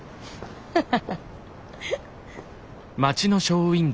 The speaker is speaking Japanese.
ハハハ！